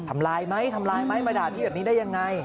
ทำร้ายไหมทำลายไหมมาด่าพี่แบบนี้ได้ยังไง